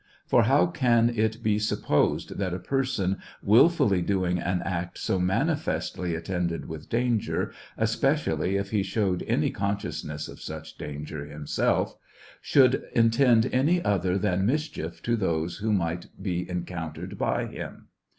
For how can it be supposed that a person wilfully doing an act so manifestly attended with danger, especially if he showed any consciousness of such danger himself, should intend any other than mischief to those who might be encountered by him